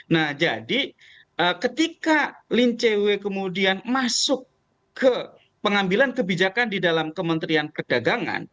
nah jadi ketika lin cw kemudian masuk ke pengambilan kebijakan di dalam kementerian perdagangan